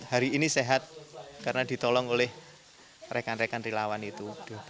hari ini sehat karena ditolong oleh rekan rekan relawan itu